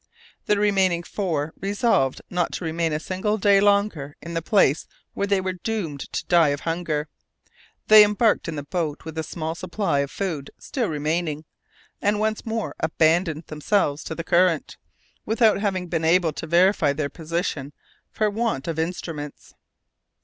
The remaining four resolved not to remain a single day longer in the place where they were doomed to die of hunger. They embarked in the boat with the small supply of food still remaining, and once more abandoned themselves to the current, without having been able to verify their position, for want of instruments.